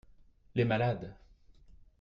les malades.